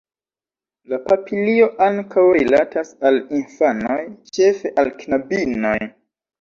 La papilio ankaŭ rilatas al infanoj, ĉefe al knabinoj.